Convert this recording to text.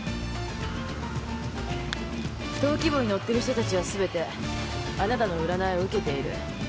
登記簿に載ってる人たちはすべてあなたの占いを受けている。